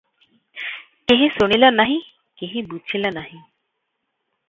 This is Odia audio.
କେହି ଶୁଣିଲା ନାହିଁ- କେହି ବୁଝିଲା ନାହିଁ